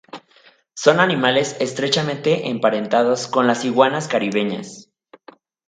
Son animales estrechamente emparentados con las iguanas caribeñas.